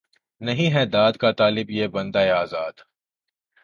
نہیں ہے داد کا طالب یہ بندۂ آزاد